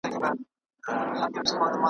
هغه نه يم چې رشوت سود او سلم خورم